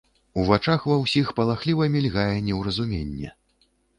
У вачах ва ўсіх палахліва мільгае неўразуменне.